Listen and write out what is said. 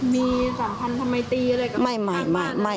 มีสัมพันธ์ทำไมตีอะไรกับข้างบ้านไม่